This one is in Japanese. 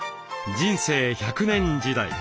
人生１００年時代。